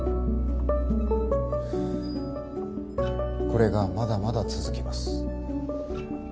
これがまだまだ続きます。